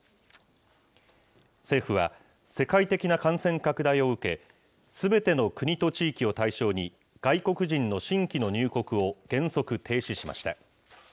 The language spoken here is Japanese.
政府は世界的な感染拡大を受け、すべての国と地域を対象に、外国人の新規の入国を原則停止しました。